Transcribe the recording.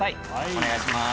お願いします。